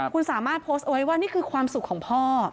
คุณสามารถโพสต์ไว้ว่านี่คือความสุขของพ่อ